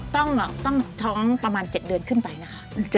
ต้องท้องประมาณ๗เดือนขึ้นไปนะคะ